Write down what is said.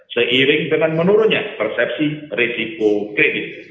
seiring dengan menurunnya persepsi risiko kredit